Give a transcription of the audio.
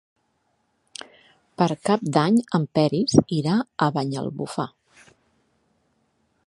Per Cap d'Any en Peris irà a Banyalbufar.